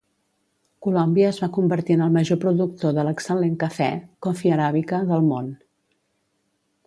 Colòmbia es va convertir en el major productor de l'excel·lent cafè "Coffea arabica" del món.